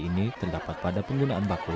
ini terdapat pada penggunaan baku